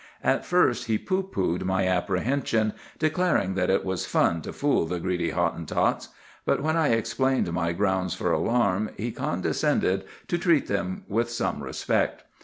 At first he pooh poohed my apprehension, declaring that it was 'fun to fool the greedy Hottentots;' but when I explained my grounds for alarm, he condescended to treat them with some respect.